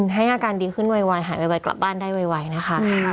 ให้อาการดีขึ้นไวหายไวกลับบ้านได้ไวนะคะ